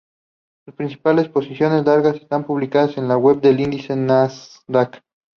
Sus principales posiciones largas están publicadas en la web del índice Nasdaq.